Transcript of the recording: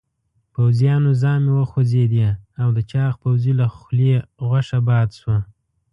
پوځيانو ژامې وخوځېدې او د چاغ پوځي له خولې غوښه باد شوه.